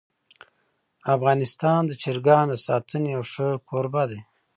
افغانستان د چرګانو د ساتنې یو ښه کوربه دی.